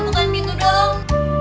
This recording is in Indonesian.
dukungkan pintu dong